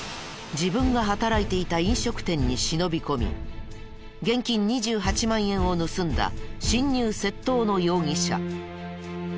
自分が働いていた飲食店に忍び込み現金２８万円を盗んだ侵入窃盗の容疑者。